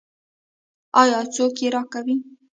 آیا څوک یې راکوي؟